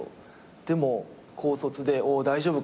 でも高卒でおお大丈夫か？